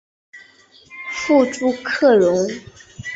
父朱克融。